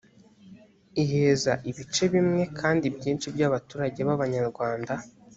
iheza ibice bimwe kandi byinshi by’abaturage b’abanyarwanda